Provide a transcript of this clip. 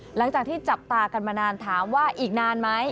หลังจากที่จับตากันมานานถามว่าอีกนานไหม